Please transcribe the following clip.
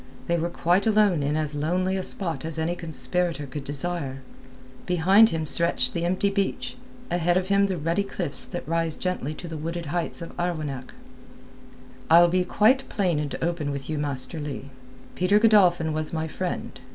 They were quite alone in as lonely a spot as any conspirator could desire. Behind him stretched the empty beach, ahead of him the ruddy cliffs that rise gently to the wooded heights of Arwenack. "I'll be quite plain and open with you, Master Leigh. Peter Godolphin was my friend.